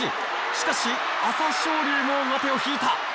しかし朝青龍も上手を引いた。